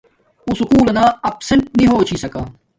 اُُّو سُکول لنا اف سنٹ نی ہو چھسکا